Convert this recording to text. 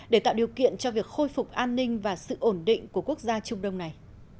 để tạo điều kiện cho việc khôi phục an ninh và sự ổn định của quốc gia trung đông này